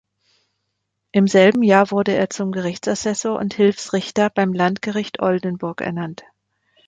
Im selben Jahr wurde er zum Gerichtsassessor und Hilfsrichter beim Landgericht Oldenburg ernannt.